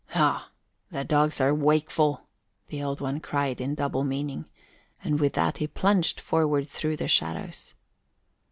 "Ha! The dogs are wakeful!" the Old One cried in double meaning, and with that he plunged forward through the shadows.